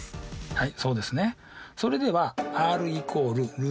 はい。